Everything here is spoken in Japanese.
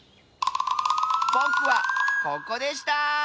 ぼくはここでした！